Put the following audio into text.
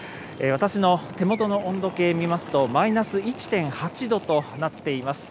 私の手元の温度計を見ますと、マイナス１．８度となっています。